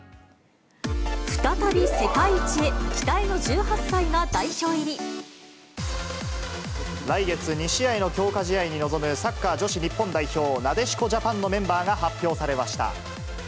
再び世界一へ、来月、２試合の強化試合に臨むサッカー女子日本代表、なでしこジャパンのメンバーが発表されました。